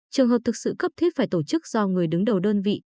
trường hợp thực sự cấp thiết phải tổ chức do người đứng đầu đơn vị